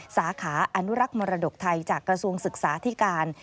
สาขาอนุรักษ์มรดกไทยจากกระทรวงศึกษาที่การ